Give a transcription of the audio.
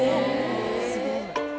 すごい。